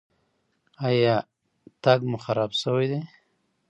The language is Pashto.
ایا تګ مو خراب شوی دی؟